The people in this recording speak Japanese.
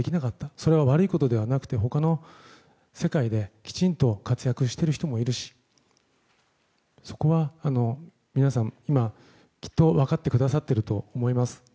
それは悪いことではなくて他の世界できちんと活躍している人もいるしそこは皆さん、今きっと分かってくださってると思います。